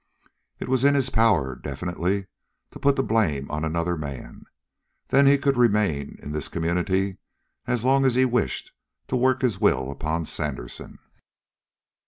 It was in his power definitely to put the blame on another man; then he could remain in this community as long as he wished, to work his will upon Sandersen.